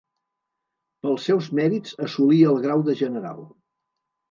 Pels seus mèrits assolí el grau de general.